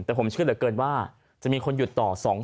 แต่ผมเชื่อเหลือเกินว่าจะมีคนหยุดต่อ